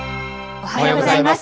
おはようございます。